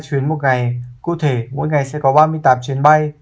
bốn mươi hai chuyến một ngày cụ thể mỗi ngày sẽ có ba mươi tám chuyến bay